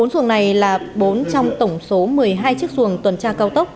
bốn xuồng này là bốn trong tổng số một mươi hai chiếc xuồng tuần tra cao tốc